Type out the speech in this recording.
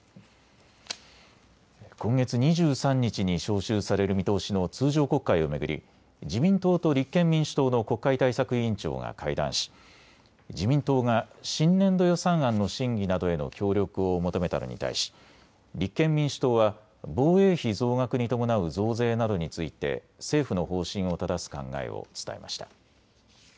今月２３日に召集される見通しの通常国会を巡り自民党と立憲民主党の国会対策委員長が会談し自民党が新年度予算案の審議などへの協力を求めたのに対し、立憲民主党は防衛費増額に伴う増税などについて政府の方針をただす考えを伝えました。